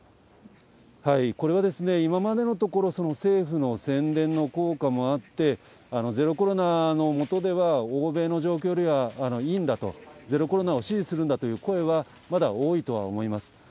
これは今までのところ、その政府の宣伝の効果もあって、ゼロコロナのもとでは、欧米の状況よりはいいんだと、ゼロコロナを支持するんだという声は、まだ多いとは思います。